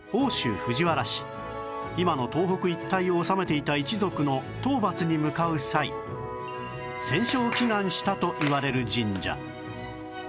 今の東北一帯を治めていた一族の討伐に向かう際戦勝祈願したといわれる神社